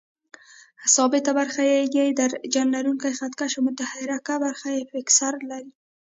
ثابته برخه یې درجه لرونکی خط کش او متحرکه برخه یې فکسره لري.